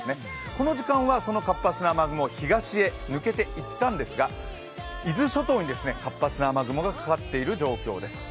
この時間はその活発な雨雲東へ抜けていったんですが伊豆諸島に活発な雨雲がかかっている状況です。